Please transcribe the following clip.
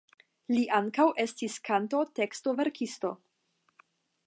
Li ankaŭ estis kantotekstoverkisto.